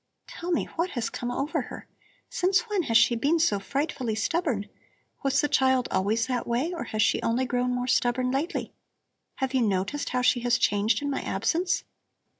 Tell me what has come over her. Since when has she been so frightfully stubborn? Was the child always that way, or has she only grown more stubborn lately? Have you noticed how she has changed in my absence?"